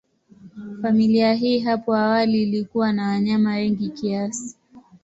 Familia hii hapo awali ilikuwa na wanyama wengi kiasi.